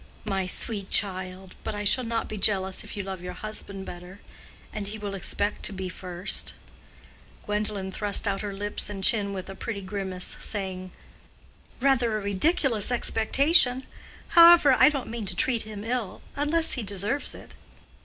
"My sweet child!—But I shall not be jealous if you love your husband better; and he will expect to be first." Gwendolen thrust out her lips and chin with a pretty grimace, saying, "Rather a ridiculous expectation. However, I don't mean to treat him ill, unless he deserves it."